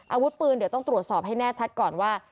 อาวุธปืนเดี๋ยวต้องตรวจสอบให้แน่ชัดก่อนว่า